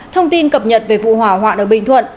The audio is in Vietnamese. thông tin cập nhật về vụ hỏa hoạn ở bình thuận